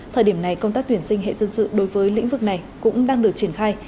thời điểm này công tác tuyển sinh hệ dân sự đối với lĩnh vực này cũng đang được triển khai